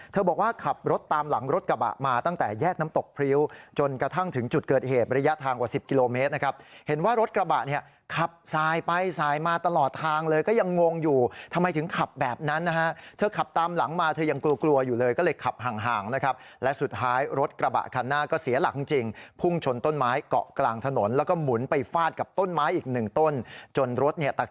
เธอบอกว่าขับรถตามหลังรถกระบะมาตั้งแต่แยกน้ำตกพริ้วจนกระทั่งถึงจุดเกิดเหตุระยะทางกว่าสิบกิโลเมตรนะครับเห็นว่ารถกระบะเนี่ยขับซ้ายไปซ้ายมาตลอดทางเลยก็ยังงงอยู่ทำไมถึงขับแบบนั้นนะฮะเธอขับตามหลังมาเธอยังกลัวกลัวอยู่เลยก็เลยขับห่างนะครับและสุดท้ายรถกระบะคันหน้าก็เสียหลังจร